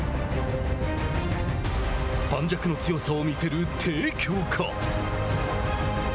盤石の強さを見せる帝京か。